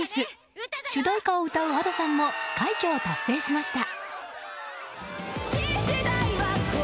主題歌を歌うＡｄｏさんも快挙を達成しました。